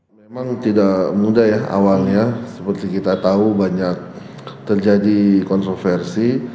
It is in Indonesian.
memang tidak mudah ya awalnya seperti kita tahu banyak terjadi kontroversi